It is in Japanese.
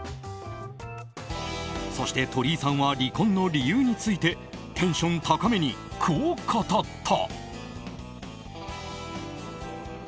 そして、鳥居さんは離婚の理由についてテンション高めにこう語った。